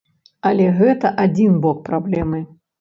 Але гэта адзін бок праблемы.